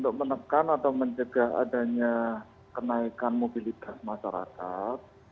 untuk menekan atau mencegah adanya kenaikan mobilitas masyarakat